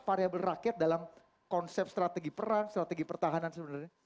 variabel rakyat dalam konsep strategi perang strategi pertahanan sebenarnya